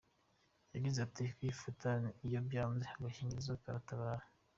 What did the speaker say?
Yagize ati “Kwifata iyo byanze, agakingirizo karatabara.